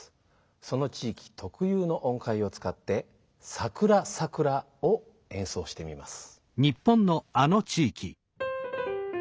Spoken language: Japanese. その地いきとくゆうの音階をつかって「さくらさくら」を演奏してみます。